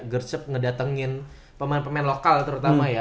gercep ngedatengin pemain pemain lokal terutama ya